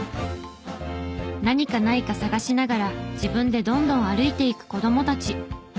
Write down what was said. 何かないか探しながら自分でどんどん歩いていく子供たち。